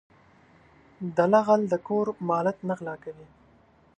دله غل د کور مالت نه غلا کوي .